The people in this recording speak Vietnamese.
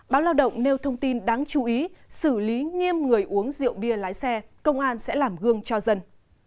báo lao động nêu thông tin đáng chú ý xử lý nghiêm người uống rượu bia lái xe công an sẽ làm gương cho dân